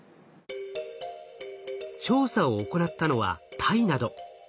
調査を行ったのはタイなど。